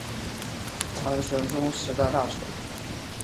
唐玄宗时代大臣。